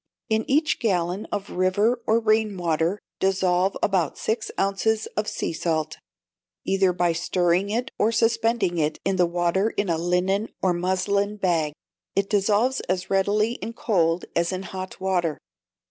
In each gallon of river or rain water dissolve about six ounces of sea salt, either by stirring it or suspending it in the water in a linen or muslin bag. It dissolves as readily in cold as in hot water.